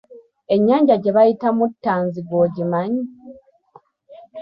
Ennyanja gye bayita Muttanzige ogimanyi?